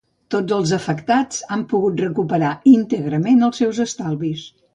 Tots els afectats han pogut recuperar íntegrament els seus estalvis.